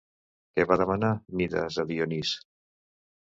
Què va demanar Mides a Dionís?